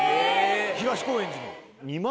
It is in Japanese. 東高円寺の。